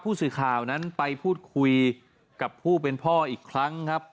ผู้สื่อข่าวนั้นไปพูดคุยกับผู้เป็นพ่ออีกครั้งครับ